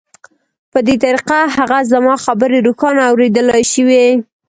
په دې طریقه هغه زما خبرې روښانه اورېدلای شوې